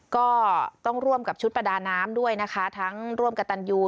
ก็ต้องร่วมกับชุดประดาน้ำด้วยนะคะทั้งร่วมกับตันยู